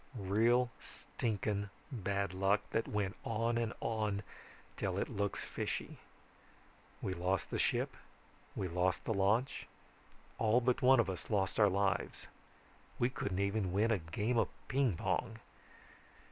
Real stinking bad luck that went on and on till it looks fishy. We lost the ship, we lost the launch, all but one of us lost our lives. We couldn't even win a game of ping pong.